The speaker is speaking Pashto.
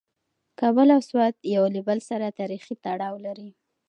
کابل او سوات یو له بل سره تاریخي تړاو لري.